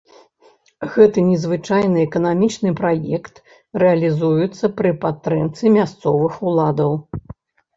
Гэты незвычайны эканамічны праект рэалізуецца пры падтрымцы мясцовых уладаў.